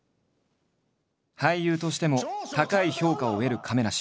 俳優としても高い評価を得る亀梨。